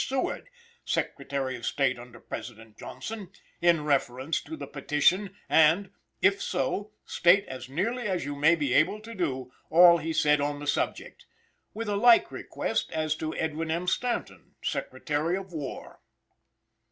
Seward, Secretary of State under President Johnson, in reference to the petition, and "if so, state as nearly as you may be able to do all he said on the subject;" with a like request as to Edwin M. Stanton, Secretary of War.